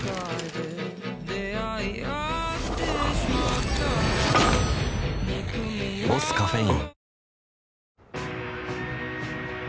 うん「ボスカフェイン」